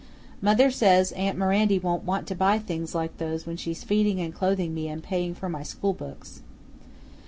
Mother says aunt Mirandy won't want to buy things like those when she's feeding and clothing me and paying for my school books."